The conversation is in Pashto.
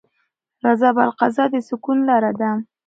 رضا بالقضا د سکون لاره ده.